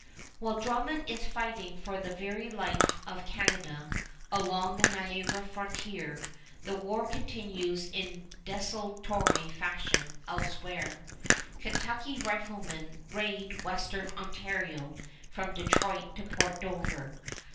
While Drummond is fighting for the very life of Canada along the Niagara frontier, the war continues in desultory fashion elsewhere. Kentucky riflemen raid western Ontario from Detroit to Port Dover.